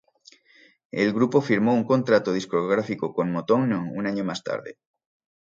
El grupo firmó un contrato discográfico con Motown un año más tarde.